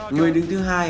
người đứng thứ hai